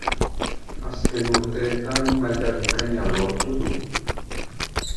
Azken urteetan maila bikaina lortu du.